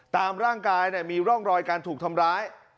ตามร่างกายมีร่องรอยการถูกทำร้าย